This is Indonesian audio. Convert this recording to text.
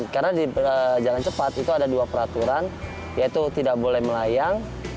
karena di jalan cepat itu ada dua peraturan yaitu tidak boleh melayang